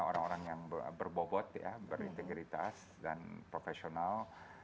orang orang yang berbobot ya berintegritas dan profesional